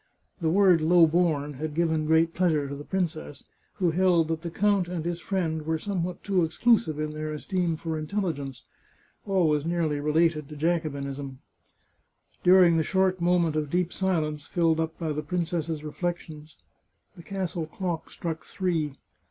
" The word low born had given great pleasure to the princess, who held that the count and his friend were some what too exclusive in their esteem for intelligence — always nearly related to Jacobinism. During the short moment of deep silence filled up by the princess's reflections, the castle clock struck three.